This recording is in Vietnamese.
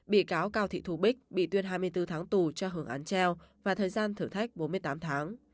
bị cáo cao thị thù bích bị tuyên hai mươi bốn tháng tù cho hưởng án treo và thời gian thử thách bốn mươi tám tháng